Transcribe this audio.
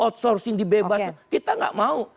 kita tidak mau